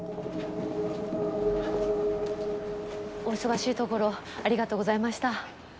お忙しいところありがとうございました。